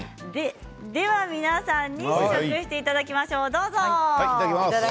皆さんに試食していただきましょう。